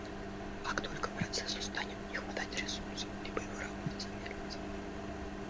Как только процессу станет не хватать ресурсов, либо его работа замедлится